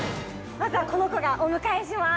◆まずは、この子がお迎えします。